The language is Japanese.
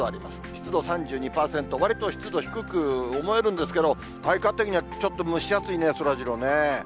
湿度３２％、わりと湿度低く思えるんですけど、体感的にはちょっと蒸し暑いね、そらジローね。